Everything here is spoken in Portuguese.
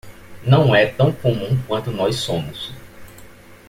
Não é tão comum quanto nós somos